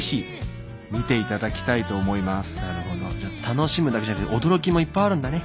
楽しむだけじゃなくて驚きもいっぱいあるんだね。